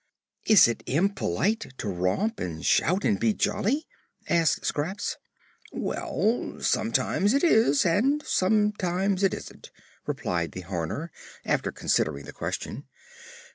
"Is it impolite to romp and shout and be jolly?" asked Scraps. "Well, sometimes it is, and sometimes it isn't," replied the Horner, after considering the question.